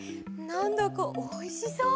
なんだかおいしそう。